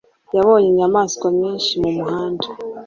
Yabonye inyamaswa nyinshi mumuhanda.